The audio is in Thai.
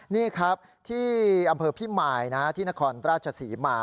นี่ครับที่อำเภอพิมายที่นครราชศรีมา